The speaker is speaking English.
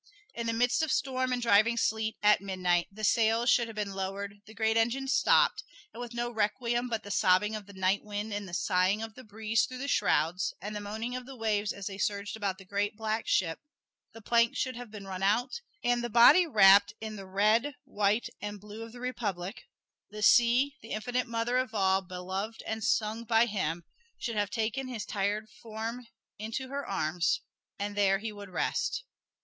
In the midst of storm and driving sleet, at midnight, the sails should have been lowered, the great engines stopped, and with no requiem but the sobbing of the night wind and the sighing of the breeze through the shrouds, and the moaning of the waves as they surged about the great, black ship, the plank should have been run out, and the body wrapped in the red, white and blue of the Republic: the sea, the infinite mother of all, beloved and sung by him, should have taken his tired form to her arms, and there he would rest.